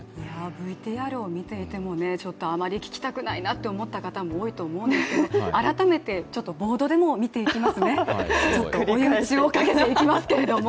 ＶＴＲを見ていてもあまり聞きたくないなという方も多いと思いますが改めてボードでも見ていきますね、追い打ちをかけていきますけれども。